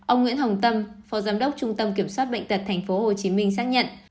ông nguyễn hồng tâm phó giám đốc trung tâm kiểm soát bệnh tật tp hcm xác nhận